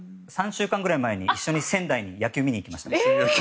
３週間くらい前に一緒に仙台に野球見に行きました。